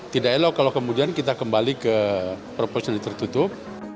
tidak elok kalau kemudian kita kembali ke proporsional tertutup